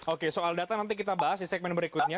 oke soal data nanti kita bahas di segmen berikutnya